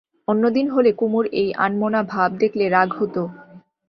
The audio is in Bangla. অন্য দিন হলে কুমুর এই আনমনা ভাব দেখলে রাগ হত।